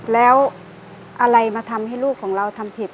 แล้วอะไรมาทำให้ลูกของเราทำผิด